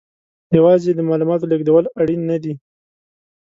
یوازې د معلوماتو لېږدول اړین نه دي.